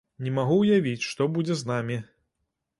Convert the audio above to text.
Не магу ўявіць, што будзе з намі.